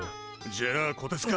じゃあこてつか！